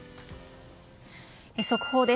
速報です。